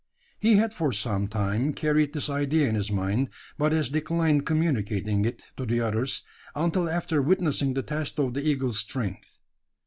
He had for some time carried this idea in his mind; but had declined communicating it, to the others, until after witnessing the test of the eagle's strength.